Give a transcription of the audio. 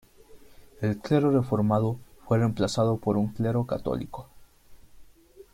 El clero reformado fue reemplazado por un clero católico.